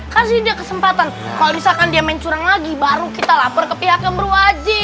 kasih dia kesempatan kau bisa prikamen curang lagi baru kita lapor ke pihak yang berwajib